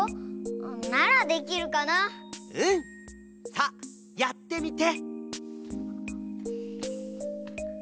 さあやってみて！